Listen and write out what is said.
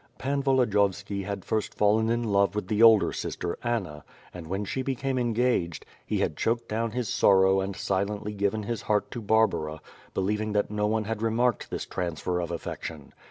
Pan Volodiovsky had first fallen in love with the older sister, Anna, and, when she became engaged, he had choked down his sorrow and silently given his heart to Bar bara, believing that no one had remarked this transfer of affection.